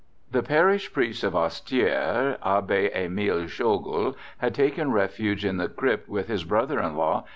The parish priest of Hastiere, Abbe Emile Schogel, had taken refuge in the crypt, with his brother in law, M.